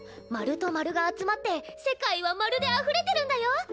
まるとまるが集まって世界はまるであふれてるんだよ！